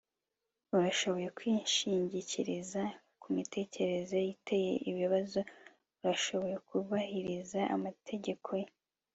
urashobora kwishingikiriza kumiterere ye iteye ibibazo; urashobora kubahiriza amategeko ye